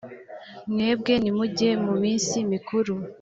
mwebwe nimujye mu minsi mikuru